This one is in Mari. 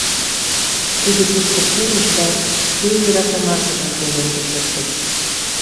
Тудо тушко пурыш да Шке йӧратымашыжым пеленже пуртыш.